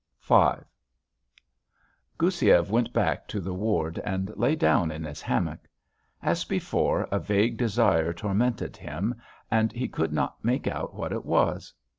V Goussiev went back to the ward and lay down in his hammock. As before, a vague desire tormented him and he could not make out what it was.